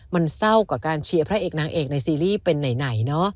มันเศร้ากว่าการเชียร์พระเอกนางเอกในซีรีส์เป็นไหนเนอะ